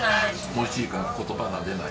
美味しいから言葉が出ない。